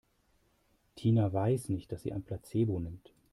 Tina weiß nicht, dass sie ein Placebo nimmt.